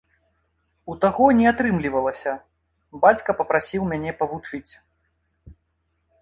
У таго не атрымлівалася, бацька папрасіў мяне павучыць.